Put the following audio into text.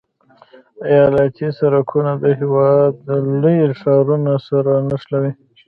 ایالتي سرکونه د هېواد لوی ښارونه سره نښلوي